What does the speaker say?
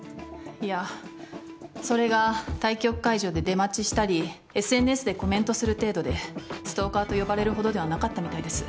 いやそれが対局会場で出待ちしたりＳＮＳでコメントする程度でストーカーと呼ばれるほどではなかったみたいです。